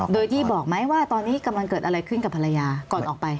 โดยที่บอกไหมว่าตอนนี้กำลังเกิดอะไรขึ้นกับภรรยาก่อนออกไป